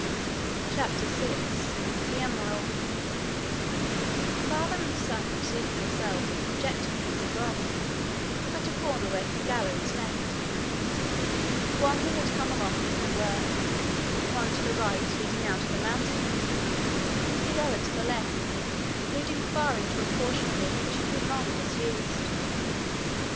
CHAPTER 6 The Emerald Father and son had seated themselves on a projecting piece of rock at a corner where three galleries met the one they had come along from their work, one to the right leading out of the mountain, and the other to the left leading far into a portion of it which had been long disused.